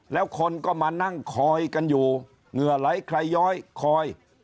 แล้วคนก็มานั่งคอยกันอยู่เหงื่อไหลคลายย้อยคอย